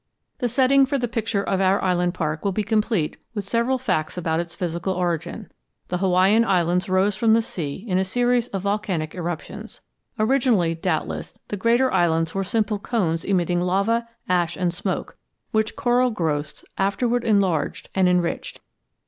The setting for the picture of our island park will be complete with several facts about its physical origin. The Hawaiian Islands rose from the sea in a series of volcanic eruptions. Originally, doubtless, the greater islands were simple cones emitting lava, ash, and smoke, which coral growths afterward enlarged and enriched.